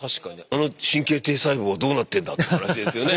あの神経堤細胞はどうなってんだって話ですよね。